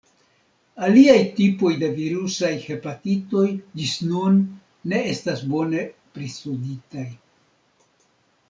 Aliaj tipoj de virusaj hepatitoj ĝis nun ne estas bone pristuditaj.